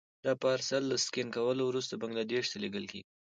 دا پارسل له سکن کولو وروسته بنګلادیش ته لېږل کېږي.